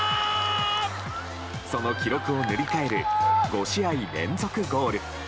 その記録を塗り替える５試合連続ゴール。